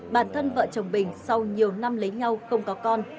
bản thân vợ chồng bình sau nhiều năm lấy nhau không có con